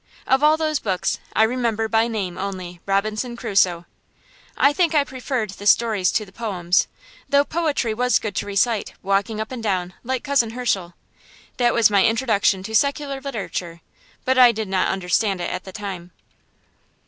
Of all those books I remember by name only "Robinson Crusoe." I think I preferred the stories to the poems, though poetry was good to recite, walking up and down, like Cousin Hirshel. That was my introduction to secular literature, but I did not understand it at the time.